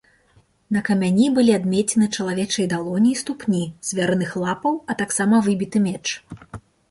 На камяні былі адмеціны чалавечай далоні і ступні, звярыных лапаў, а таксама выбіты меч.